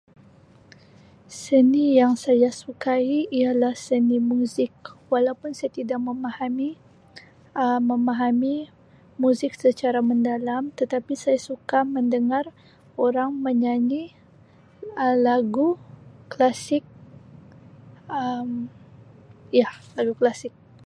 Seni yang saya sukai ialah seni muzik walaupun saya tidak memahami Um memahami muzik secara mendalam tetapi saya suka mendengar orang menyanyi Um lagu klasik Um ya lagu klasik.